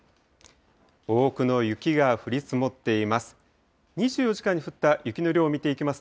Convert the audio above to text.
多くの雪が降り積もっています。